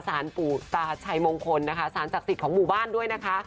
สารปู่ตาชัยมงคลนะคะสารศักดิ์สิทธิ์ของหมู่บ้านด้วยนะคะ